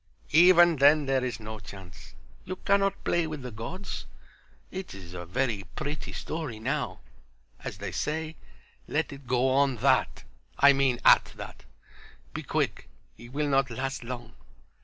"Even then there is no chance. You cannot play with the Gods. It is a very pretty story now. As they say, Let it go on that—I mean at that. Be quick; he will not last long."